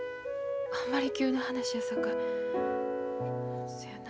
あんまり急な話やさかい。